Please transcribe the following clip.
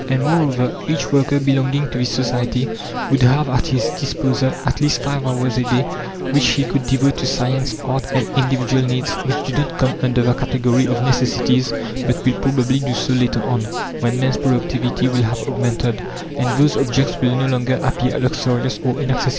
And, moreover, each worker belonging to this society would have at his disposal at least 5 hours a day which he could devote to science, art, and individual needs which do not come under the category of necessities, but will probably do so later on, when man's productivity will have augmented, and those objects will no longer appear luxurious or inaccessible.